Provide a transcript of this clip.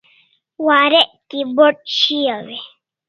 Warek keyboard shiau e ?